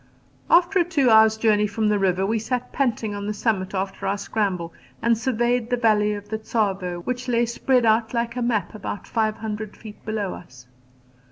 After a two hours' journey from the river we sat panting on the summit after our scramble and surveyed the valley of the Tsavo, which lay spread out like a map about five hundred feet below us.